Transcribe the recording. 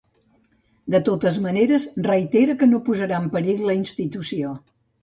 De totes maneres, reitera que no posarà en perill la institució.